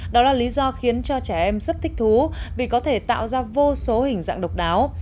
đó là lý do khiến cho trẻ em rất thích thú vì có thể tạo ra vô số hình dạng độc đáo